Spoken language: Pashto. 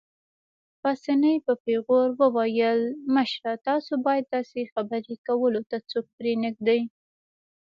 پاسیني په پېغور وویل: مشره، تاسو باید داسې خبرې کولو ته څوک پرېنږدئ.